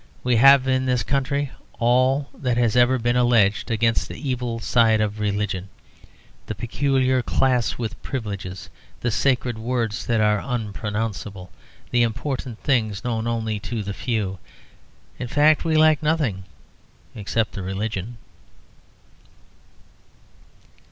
We have in this country all that has ever been alleged against the evil side of religion; the peculiar class with privileges, the sacred words that are unpronounceable; the important things known only to the few. In fact we lack nothing except the religion.